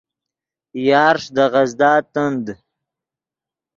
یارݰ دے غزدا تند